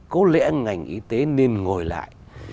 có lẽ ngành y tế nên ngồi lại